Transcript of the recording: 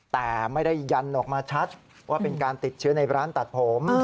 แต่ไม่ได้ยันออกมาชัดว่าเป็นการติดเชื้อในร้านตัดผม